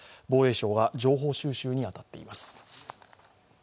防衛省が情報収集に当たっています。